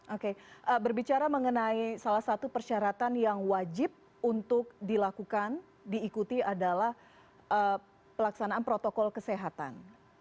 oke berbicara mengenai salah satu persyaratan yang wajib untuk dilakukan diikuti adalah pelaksanaan protokol kesehatan